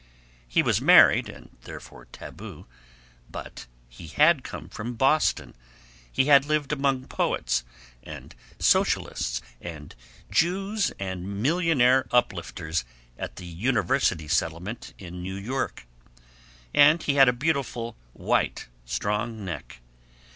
He was married, and therefore taboo, but he had come from Boston, he had lived among poets and socialists and Jews and millionaire uplifters at the University Settlement in New York, and he had a beautiful white strong neck.